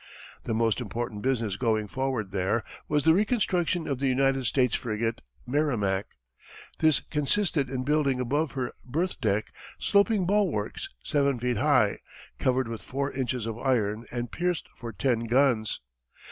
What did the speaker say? The most important business going forward there was the reconstruction of the United States frigate, Merrimac. This consisted in building above her berth deck sloping bulwarks seven feet high, covered with four inches of iron, and pierced for ten guns.